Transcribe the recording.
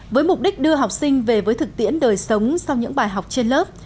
với mục đích đưa học sinh về với thực tiễn đời sống sau những bài học trên lớp